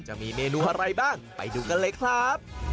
จะมีเมนูอะไรบ้างไปดูกันเลยครับ